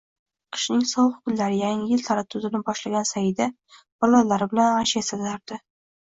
Qishning sovuq kunlari, yangi yil taraddudini boshlagan Saida, bolalari bilan archa yasatardi